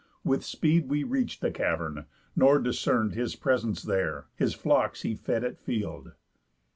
With speed we reach'd the cavern; nor discern'd His presence there, his flocks he fed at field.